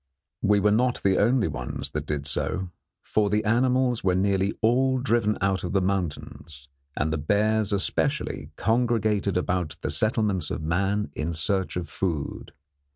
We were not the only ones that did so, for the animals were nearly all driven out of the mountains, and the bears, especially, congregated about the settlements of man in search of food.